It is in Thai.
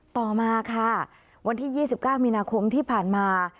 ต่อมาค่ะวันที่๒๙มีนาคมที่ผ่านมา